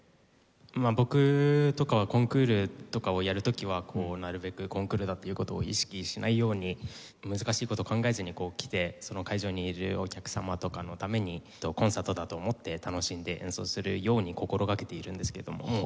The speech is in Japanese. まあ僕とかはコンクールとかをやる時はなるべくコンクールだという事を意識しないように難しい事考えずにこう来てその会場にいるお客様とかのためにコンサートだと思って楽しんで演奏するように心掛けているんですけども。